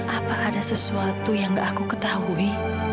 apa ada sesuatu yang gak aku ketahui